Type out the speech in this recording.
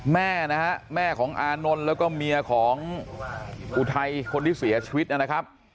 แม่นะฮะแม่ของอานนท์แล้วก็เมียของอุทัยคนที่เสียชีวิตนะครับ